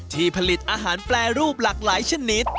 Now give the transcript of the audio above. ที่ผลิตอาหารแปรรูปหลากหลายชนิด